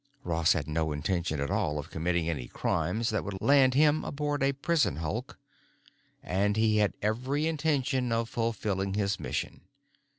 Ross had no intention at all of committing any crimes that would land him aboard a prison hulk, and he had every intention of fulfilling his mission.